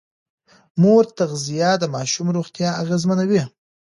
د مور تغذيه د ماشوم روغتيا اغېزمنوي.